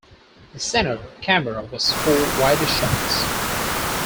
The center camera was for wider shots.